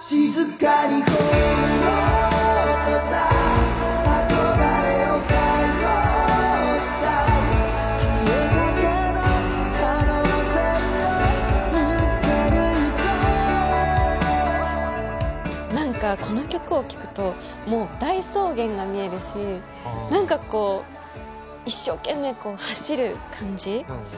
静かに葬ろうとした憧れを解放したい消えかけの可能星を見つけに行こう何かこの曲を聴くともう大草原が見えるし何かこう一生懸命こう走る感じ。